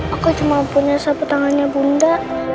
aku cuma punya sapu tangannya bunda